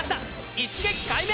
一撃解明！